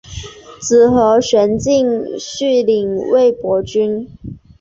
子何弘敬续领魏博军。